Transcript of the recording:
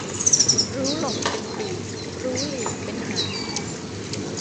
รู้หลบเป็นปีก รู้หลีกเป็นหาง